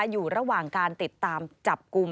อยู่ระหว่างการติดตามจับกลุ่ม